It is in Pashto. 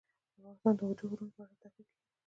افغانستان کې د اوږده غرونه په اړه زده کړه کېږي.